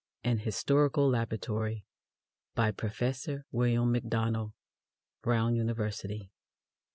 An Historical Laboratory BY PROFESSOR WILLIAM MacDONALD, BROWN UNIVERSITY.